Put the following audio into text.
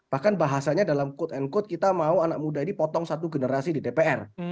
bahkan bahasanya dalam quote and quote kita mau anak muda ini potong satu generasi di dpr